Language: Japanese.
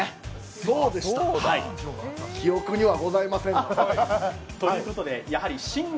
そうでしたか、記憶にはございませんが。ということで新年